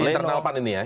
ini internal pan ini ya